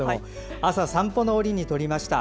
朝、散歩の折に撮りました。